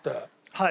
はい。